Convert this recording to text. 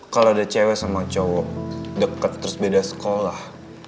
kalau ada cewe sama cowok deket terus beda sekolah